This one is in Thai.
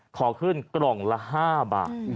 ขอขึ้นกล่องละ๕บาท